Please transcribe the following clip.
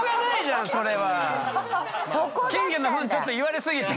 金魚のフンちょっと言われすぎて。